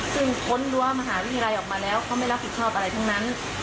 ซึ่งพ้นรั้วมหาวิทยาลัยออกมาแล้วเขาไม่รับผิดชอบอะไรทั้งนั้น